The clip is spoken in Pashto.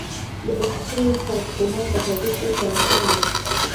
د اوسټیوسارکوما د هډوکو سرطان دی.